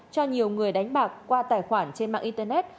cho nhiều người đánh bạc qua tài khoản trên mạng internet